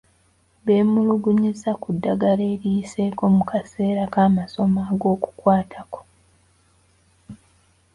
Beemulugunyizza ku ddagala eriyiseeko mu kaseera k'amasomo ag'okukwatako.